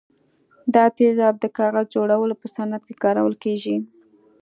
دا تیزاب د کاغذ جوړولو په صنعت کې کارول کیږي.